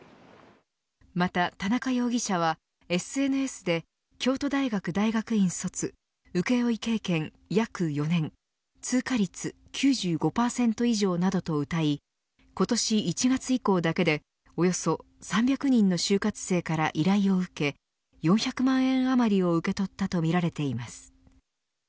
また田中容疑者は、ＳＮＳで京都大学大学院卒請負経験約４年通過率９５％以上などとうたい今年１月以降だけでおよそ３００人の就活生から依頼を受け４００万円あまりを受け取ったとみられています。